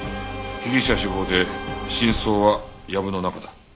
被疑者死亡で真相は藪の中だ。